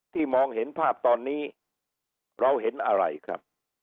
มองเห็นภาพตอนนี้เราเห็นอะไรครับ